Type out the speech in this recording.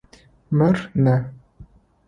Мыр нэ.